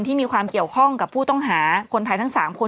ที่มีความเกี่ยวข้องกับผู้ต้องหาคนไทยทั้ง๓คน